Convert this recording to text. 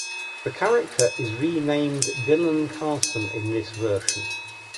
The character is renamed Dylan Carson in this version.